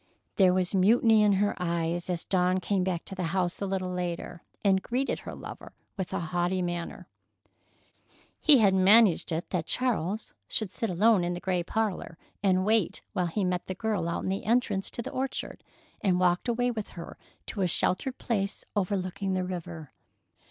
There was mutiny in her eyes as Dawn came back to the house a little later, and greeted her lover with a haughty manner. He had managed it that Charles should sit alone in the gray parlor and wait while he met the girl out in the entrance to the orchard and walked away with her to a sheltered place overlooking the river.